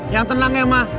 yang tenang ya ma